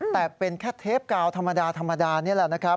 แต่เป็นแค่เทปกาวธรรมดาธรรมดานี่แหละนะครับ